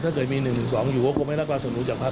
ถ้าเกิดมี๑๒อยู่ก็คงให้นักราศนุนจากพัก